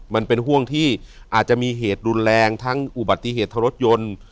มันเป็นห่วงที่อาจจะมีเหตุรุนแรงทั้งอุบัติเหตุทางรถยนต์